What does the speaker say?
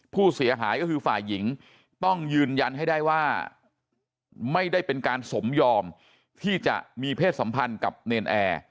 ผู้เสียหายก็คือฝ่ายหญิงต้องยืนยันให้ได้ว่าไม่ได้เป็นการสมยอมที่จะมีเพศสัมพันธ์กับเนรนแอร์